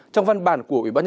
trong văn bản của ubnd